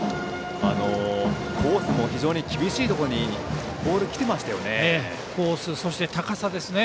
コースも非常に厳しいところにボールが来てましたよね。